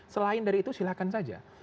selain dari itu silakan saja